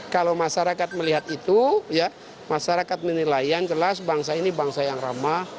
kalau masyarakat melihat itu masyarakat menilai yang jelas bangsa ini bangsa yang ramah